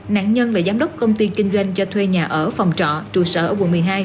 nạn nhân là giám đốc công ty kinh doanh cho thuê nhà ở phòng trọ trụ sở ở quận một mươi hai